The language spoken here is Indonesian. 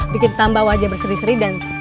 bikin tambah wajah berseri seri dan